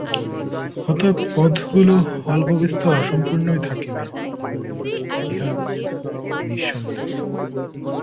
অতএব পথগুলি অল্পবিস্তর অসম্পূর্ণ থাকিবেই, ইহা নিঃসন্দেহ।